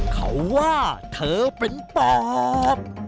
เขาว่าเธอเป็นปอบ